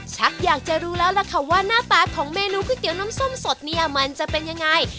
ชักอยากจะรู้แล้วล่ะค่ะว่าหน้าตาของเมนูก๋วยเตี๋ยน้ำส้มสดเนี่ยมันจะเป็นยังไง